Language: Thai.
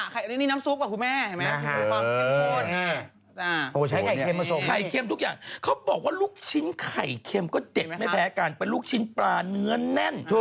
กนะเพิ่งไปลูกชิ้นปลาเนื้อนแน่น